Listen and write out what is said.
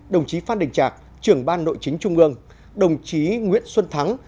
đồng chí phan đình trạc trưởng ban nội chính trung ương đồng chí nguyễn xuân thắng